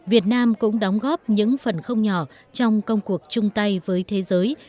việt nam cũng đóng góp những phần không nhỏ trong công cuộc chung tay với thế giới